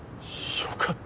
よかった。